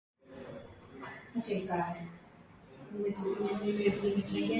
Taratibu za kufuata